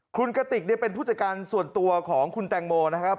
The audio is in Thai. คุณกติกเป็นผู้จัดการส่วนตัวของคุณแตงโมนะครับ